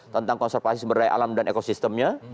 tentang konservasi semberdaya alam dan ekosistemnya